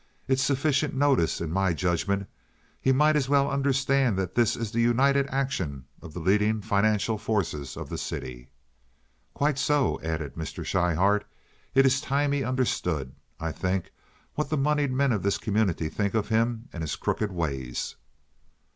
It's sufficient notice, in my judgment. He might as well understand that this is the united action of the leading financial forces of the city." "Quite so," added Mr. Schryhart. "It is time he understood, I think, what the moneyed men of this community think of him and his crooked ways."